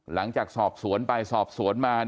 หลังจากสอบสวนไปสอบสวนมา